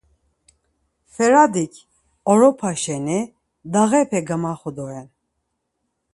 Feradik oropa şeni dağepe gamaxu doren.